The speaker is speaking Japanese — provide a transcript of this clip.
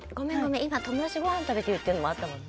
今友達とごはん食べてるっていうのあったもんね。